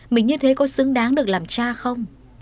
mình như thế có xứng đáng được làm cha không